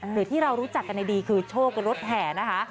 หรือที่เรารู้จักกันดีคือโชคกับรถแห่นะคะ